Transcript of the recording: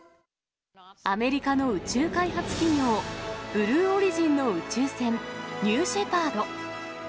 アメリカの宇宙開発企業、ブルーオリジンの宇宙船、ニューシェパード。